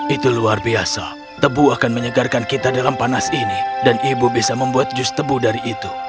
itu luar biasa tebu akan menyegarkan kita dalam panas ini dan ibu bisa membuat jus tebu dari itu